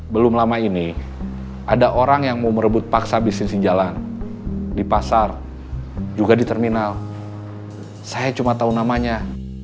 belum lama ini ada orang yang mau merebut paksa bisnis jalan di pasar juga di terminal saya cuma tahu namanya